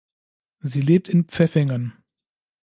Sie lebt in Pfeffingen.